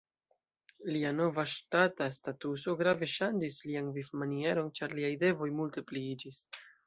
Lia nova ŝtata statuso grave ŝanĝis lian vivmanieron, ĉar liaj devoj multe pliiĝis.